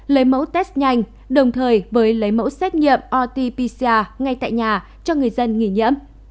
lấy mẫu test nhanh đồng thời với lấy mẫu xét nghiệm rt pcr ngay tại nhà cho người dân nghỉ nhiễm